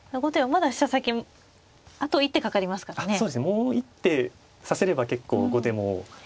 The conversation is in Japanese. もう一手指せれば結構後手も。